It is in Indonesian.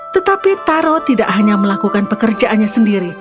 tetapi taro tidak hanya melakukan pekerjaannya sendiri